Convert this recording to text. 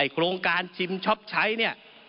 โครงการชิมช็อปใช้เนี่ย